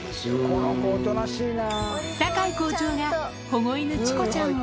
この子おとなしいな。